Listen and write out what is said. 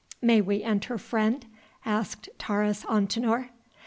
"May we enter, friend?" asked Taurus Antinor.